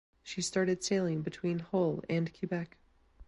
She started sailing between Hull and Quebec.